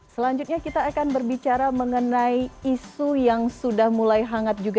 selanjutnya kita akan berbicara mengenai isu yang sudah mulai hangat juga